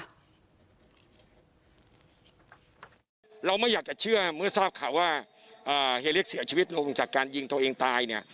เราไม่อยากจะเชื่อเมื่อทราบข่าวว่าเฮียเล็กเสียชีวิตลงจากการยิงตัวเองตายเนี่ย